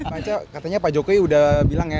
pak jokowi katanya pak jokowi udah bilang ya